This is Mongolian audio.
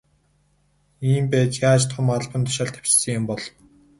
Ийм байж яаж том албан тушаалд дэвшсэн юм бол.